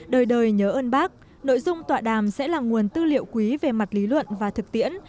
đời đời nhớ ơn bác nội dung tọa đàm sẽ là nguồn tư liệu quý về mặt lý luận và thực tiễn